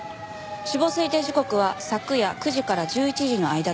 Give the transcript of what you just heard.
死亡推定時刻は昨夜９時から１１時の間との事です。